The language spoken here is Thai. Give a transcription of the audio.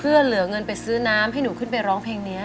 เพื่อเหลือเงินไปซื้อน้ำให้หนูขึ้นไปร้องเพลงนี้